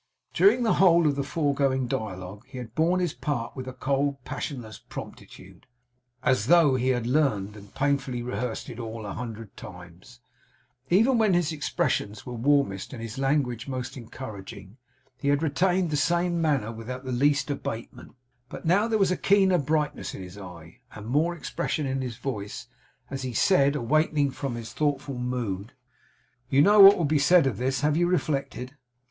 During the whole of the foregoing dialogue, he had borne his part with a cold, passionless promptitude, as though he had learned and painfully rehearsed it all a hundred times. Even when his expressions were warmest and his language most encouraging, he had retained the same manner, without the least abatement. But now there was a keener brightness in his eye, and more expression in his voice, as he said, awakening from his thoughtful mood: 'You know what will be said of this? Have you reflected?